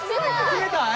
冷たい？